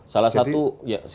salah satu ya silahkan